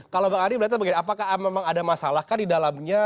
kalau bang adi melihatnya begini apakah memang ada masalah kan di dalamnya